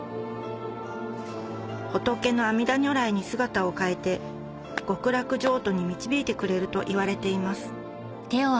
仏の阿弥陀如来に姿を変えて極楽浄土に導いてくれるといわれています